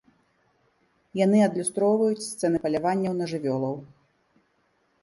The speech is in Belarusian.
Яны адлюстроўваюць сцэны паляванняў на жывёлаў.